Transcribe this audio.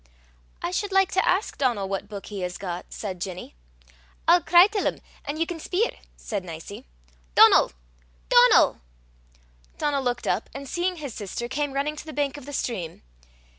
"I should like to ask Donal what book he has got," said Ginny. "I'll cry till 'im, an' ye can speir," said Nicie. "Donal! Donal!" Donal looked up, and seeing his sister, came running to the bank of the stream.